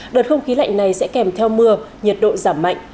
đợt không khí lạnh này sẽ kèm theo mưa nhiệt độ giảm mạnh